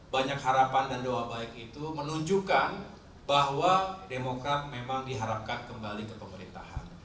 banyak harapan dan doa baik itu menunjukkan bahwa demokrat memang diharapkan kembali ke pemerintahan